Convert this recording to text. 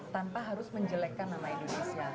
tanpa harus menjelekkan nama indonesia